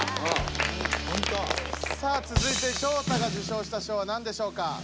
さあつづいてショウタが受賞した賞は何でしょうか？